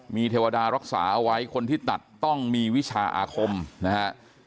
มีเทวดารักษาเอาไว้คนที่ตัดต้องมีวิชาอาคมนะฮะ